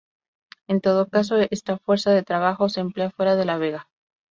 En todo caso, esta fuerza de trabajo se emplea fuera de La Vega.